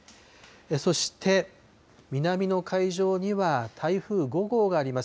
そして南の海上には台風５号があります。